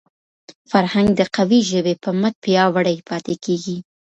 فرهنګ د قوي ژبي په مټ پیاوړی پاتې کېږي.